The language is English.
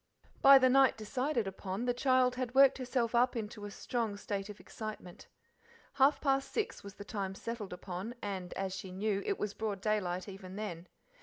By the night decided upon, the child had worked herself up into a strong state of excitement. Half past six was the time settled upon, and, as she knew, it was broad daylight even then.